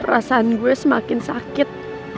perasaan gue semakin sakit